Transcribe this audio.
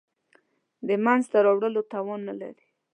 د منځته راوړلو توان نه لري.